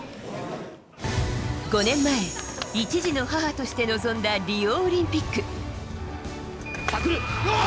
５年前、１児の母として臨んだリオオリンピック。